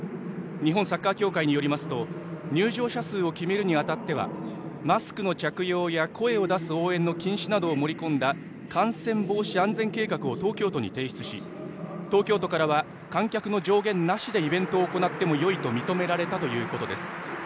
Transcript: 日本サッカー協会によりますと入場者数を決めるにあたってはマスクの着用や声を出す応援の禁止などを盛り込んだ感染防止安全計画を東京都に提出し、東京都からは観客の上限なしでイベントを行ってよいと認められたということです。